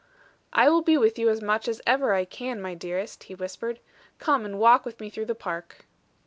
"I will be with you as much as ever I can, my dearest," he whispered. "Come and walk with me through the park."